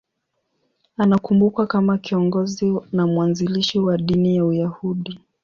Anakumbukwa kama kiongozi na mwanzilishi wa dini ya Uyahudi.